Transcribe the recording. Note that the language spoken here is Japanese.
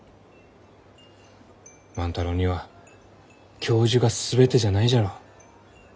万太郎には教授が全てじゃないじゃろう？